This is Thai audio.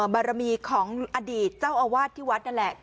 บารมีของอดีตเจ้าอาวาสที่วัดนั่นแหละ